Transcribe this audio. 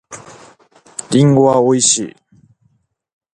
りんごは美味しい。